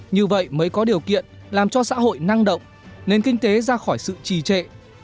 như vậy mới có điều kiện làm cho xã hội năng động nền kinh tế ra khỏi sự trì trệ